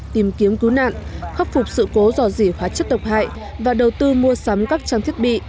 tìm kiếm cứu nạn khắc phục sự cố dò dỉ hóa chất độc hại và đầu tư mua sắm các trang thiết bị